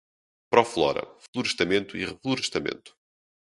Proflora – Florestamento e Reflorestamento